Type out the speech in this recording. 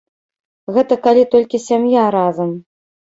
Гэта калі толькі сям'я разам.